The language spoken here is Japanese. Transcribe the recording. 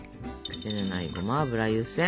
癖のないごま油湯せん。